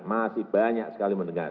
masih banyak sekali mendengar